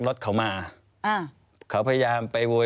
แล้วเขาสร้างเองว่าห้ามเข้าใกล้ลูก